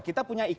kita punya ikn